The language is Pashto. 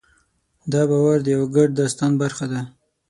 دا باور د یوه ګډ داستان برخه ده.